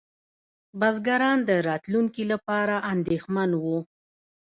بزګران د راتلونکي لپاره اندېښمن وو.